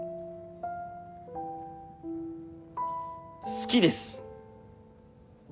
好きです。